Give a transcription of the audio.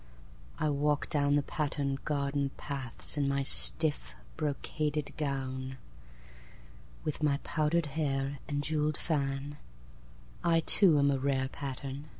I walk down the patterned garden pathsIn my stiff, brocaded gown. With my powdered hair and jewelled fan,I too am a rarePattern.